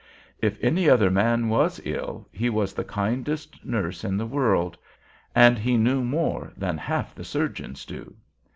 If any other man was ill, he was the kindest nurse in the world; and he knew more than half the surgeons do.